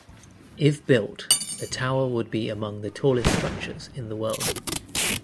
If built the tower would be among the tallest structures in the world.